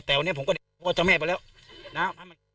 แต่วันนี้ผมก็เดี๋ยวพ่อเจ้าแม่ไปแล้วนะ